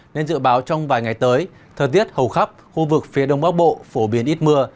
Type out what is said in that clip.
nên dự báo trong vài ngày tới thời tiết hầu khắp khu vực phía đông bắc bộ phổ biến ít mưa